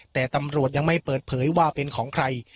แต่ตำรวจยังไม่เปิดเผยว่าเป็นของใคร